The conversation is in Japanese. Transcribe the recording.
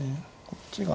こっちが。